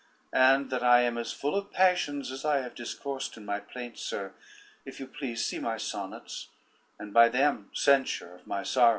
And that I am as full of passions as I have discoursed in my plaints, sir, if you please, see my sonnets, and by them censure of my sorrows."